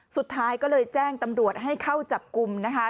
สุดท้ายก็เลยแจ้งตำรวจให้เข้าจับกลุ่มนะคะ